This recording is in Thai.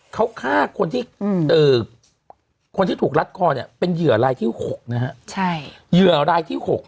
เขาฆ่าคนที่ถูกรัดคอเป็นเหยื่อรายที่๖